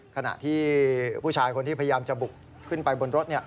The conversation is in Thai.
ขณะที่ผู้ชายคนที่พยายามจะบุกขึ้นไปบนรถ